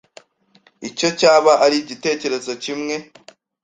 Icyo cyaba ari igitekerezo kimwe.